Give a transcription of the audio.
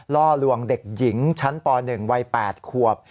ล่อลวงเด็กหญิงชั้นป๑วัย๘ขวบ